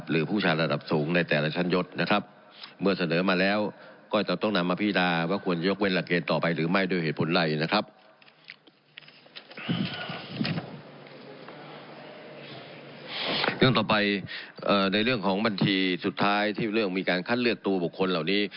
เรื่องต่อไปในเรื่องของบัญชีสุดท้ายที่เรื่องมีการคัดเลือกตัวบุคคลเหล่านี้